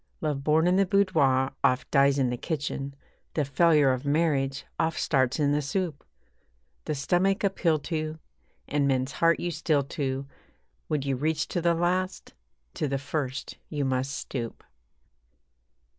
Love born in the boudoir oft dies in the kitchen, The failure of marriage oft starts in the soup. The stomach appeal to, and men's heart you steal to Would you reach to the last? To the first you must stoop.